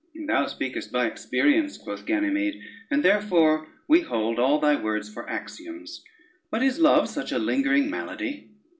"Thou speakest by experience," quoth Ganymede, "and therefore we hold all thy words for axioms. But is love such a lingering malady?"